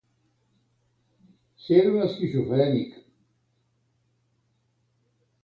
Ser un esquizofrènic.